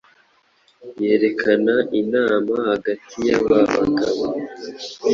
yerekana inama hagati y’aba bagabo